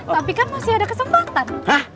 tapi kan masih ada kesempatan